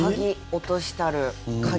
落としたる鍵。